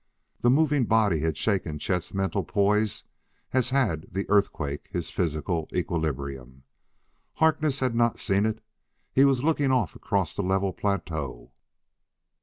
The moving body had shaken Chet's mental poise as had the earthquake his physical equilibrium. Harkness had not seen it; he was looking off across the level plateau.